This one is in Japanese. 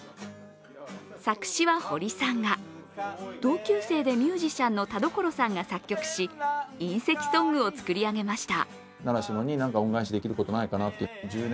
作詞は堀さんが、同級生でミュージシャンの田所さんが作曲し隕石ソングを作り上げました。